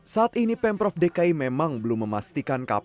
saat ini pemprov dki memang belum memastikan kapan